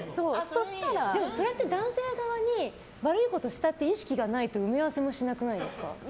でも、それって男性側に悪いことしたっていう意識がないと埋め合わせもしなくないですか。